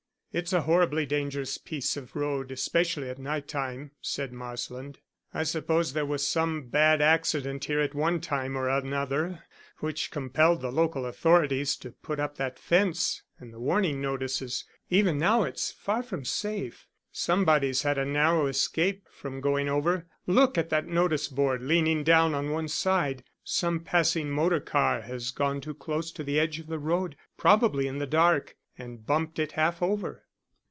"It's a horribly dangerous piece of road, especially at night time," said Marsland. "I suppose there was some bad accident here at one time or another, which compelled the local authorities to put up that fence and the warning notices. Even now, it's far from safe. Somebody's had a narrow escape from going over: look at that notice board leaning down on one side. Some passing motor car has gone too close to the edge of the road probably in the dark and bumped it half over."